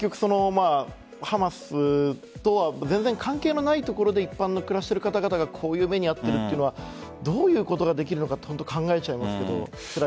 ハマスとは全然関係のない所で一般の暮らしている方々がこういう目に遭うのはどういうことができるのかと考えちゃいますけど。